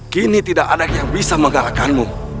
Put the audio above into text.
kini tidak ada yang bisa menggalakkanmu